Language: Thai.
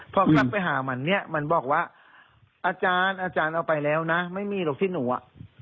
พอกลับไปหามันเนี่ยมันบอกว่าอาจารย์อาจารย์เอาไปแล้วนะไม่มีหรอกที่หนูอ่ะ